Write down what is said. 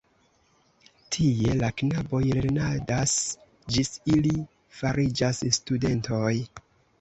Tie la knaboj lernadas ĝis ili fariĝas studentoj.